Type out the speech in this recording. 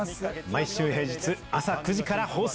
毎週平日朝９時から放送！